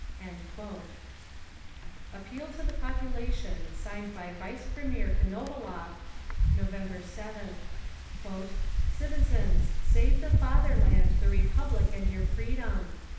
Appeal to the Population signed by Vice Premier Konovalov, November 7th: "Citizens! Save the fatherland, the republic and your freedom.